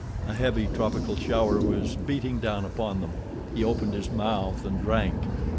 A heavy tropical shower was beating down upon them. He opened his mouth and drank.